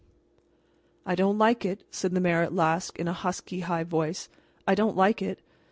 "I don't like it," said the mayor at last, in a husky, high voice. "I don't like it!